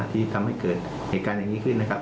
ที่ทำให้เกิดเหตุการณ์อย่างนี้ขึ้นนะครับ